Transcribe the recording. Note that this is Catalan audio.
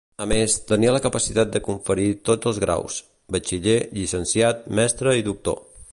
A més, tenia la capacitat de conferir tots els graus: batxiller, llicenciat, mestre i doctor.